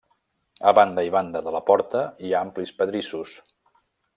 A banda i banda de la porta hi ha amplis pedrissos.